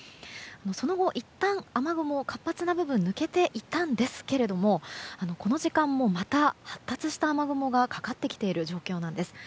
その後、いったん雨雲は活発な部分は抜けていったんですがこの時間もまた発達した雨雲がかかってきている状況なんです。